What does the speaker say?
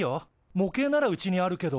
模型ならうちにあるけど。